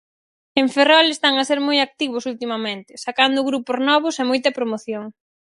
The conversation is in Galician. En Ferrol están a ser moi activos ultimamente, sacando grupos novos e moita promoción.